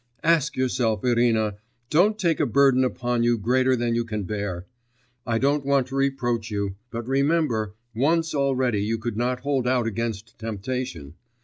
Ask yourself, Irina, don't take a burden upon you greater than you can bear. I don't want to reproach you; but remember: once already you could not hold out against temptation.